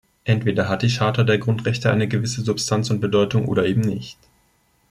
Entweder hat die Charta der Grundrechte eine gewisse Substanz und Bedeutung oder eben nicht.